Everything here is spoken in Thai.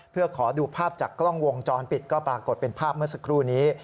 เพื่อขอดูภาพจากกล้องวงจรปิดก็ปรากฏเป็นภาพเมื่อสักครู่นี้